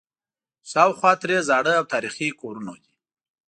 شاوخوا ترې زاړه او تاریخي کورونه دي.